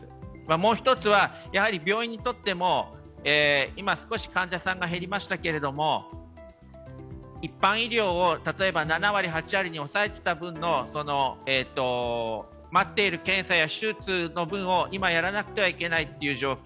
もう一つは病院にとっても、今少し患者さんが減りましたけれども、一般医療を７割、８割に抑えていた部分の待っている検査や手術の分を今やらなくてはいけない状況